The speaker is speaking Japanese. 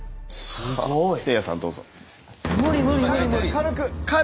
すごい！え。